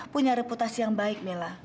punya reputasi yang baik mela